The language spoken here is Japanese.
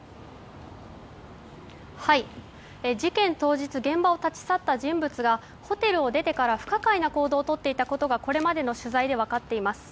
はい、事件当日現場を立ち去った人物がホテルを出てから不可解な行動をとっていたことがこれまでの取材で分かっています。